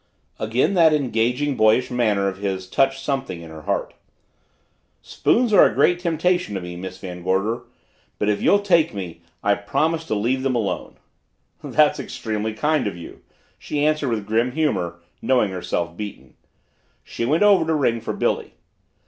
Again that engaging, boyish manner of his touched something in her heart. "Spoons are a great temptation to me, Miss Van Gorder but if you'll take me, I'll promise to leave them alone." "That's extremely kind of you," she answered with grim humor, knowing herself beaten. She went over to ring for Billy.